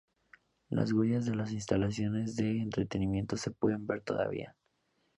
Las huellas de las instalaciones de entrenamiento se pueden ver todavía.